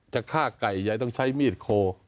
จะฆ่าไก่ยายต้องใช้มีดโค